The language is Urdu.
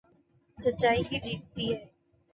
سچائی ہی جیتتی ہے